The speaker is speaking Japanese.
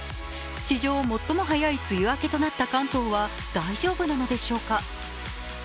史上最も速い梅雨明けとなった関東は大丈夫なのでしょうか。